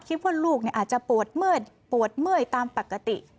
คิดว่าลูกอาจจะปวดเมื่อปวดเมื่อยตามปกติ